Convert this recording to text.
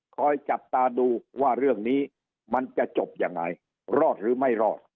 คอยจับตาดูว่าเรื่องนี้มันจะจบยังไงรอดหรือไม่รอด